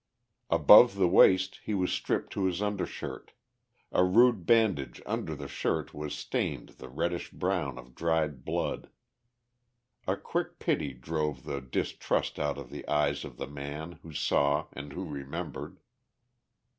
Above the waist he was stripped to his undershirt; a rude bandage under the shirt was stained the reddish brown of dried blood. A quick pity drove the distrust out of the eyes of the man who saw and who remembered.